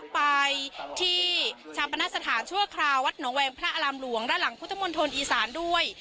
ไปที่ชาปนสถานชั่วคราววัดหนองแวงพระอารามหลวงและหลังพุทธมณฑลอีสานด้วย